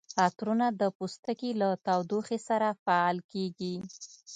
عطرونه د پوستکي له تودوخې سره فعال کیږي.